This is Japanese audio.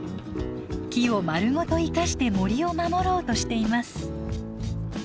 木をまるごと生かして森を守ろうとしています。